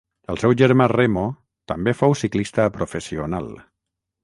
El seu germà Remo també fou ciclista professional.